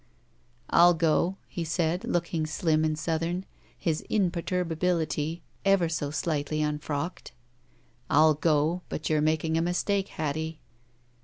"I'll go," he said, looking slim and Southern, his imperturbability ever so slightly unfrocked — "I'll go, but you're making a mistake, Hattie."